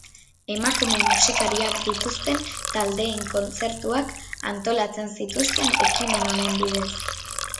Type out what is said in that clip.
Emakume musikariak dituzten taldeen kontzertuak antolatzen zituzten ekimen honen bidez.